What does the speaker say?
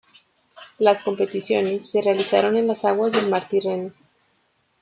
Las competiciones se realizaron en las aguas del mar Tirreno.